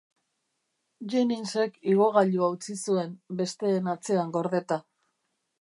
Jenningsek igogailua utzi zuen, besteen atzean gordeta.